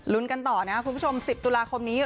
กันต่อนะครับคุณผู้ชม๑๐ตุลาคมนี้